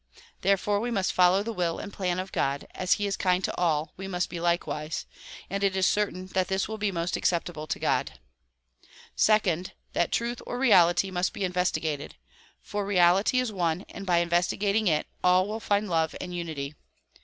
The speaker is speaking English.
Therefore we must follow the will and plan of God ; as he is kind to all, we must be likewise and it is certain that this will be most acceptable to God. Second ; that truth or reality must be investigated ; for reality is one and by investigating it, all will find love and unity.